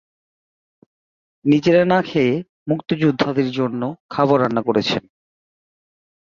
নিজেরা না খেয়ে মুক্তিযোদ্ধাদের জন্য খাবার রান্না করেছেন।